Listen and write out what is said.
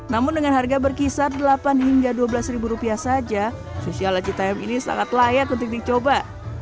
namun dengan harga berkisar delapan hingga dua belas ribu rupiah saja susi ala citayam ini sangat layak untuk dicoba